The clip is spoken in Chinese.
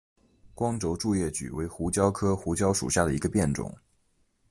光轴苎叶蒟为胡椒科胡椒属下的一个变种。